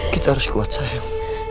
kita harus kuat sayang